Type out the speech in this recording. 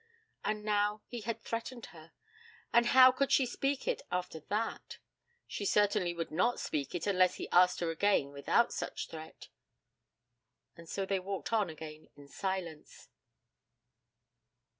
And now he had threatened her, and how could she speak it after that? She certainly would not speak it unless he asked her again without such threat. And so they walked on again in silence.